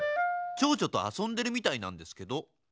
ちょうちょとあそんでるみたいなんですけど。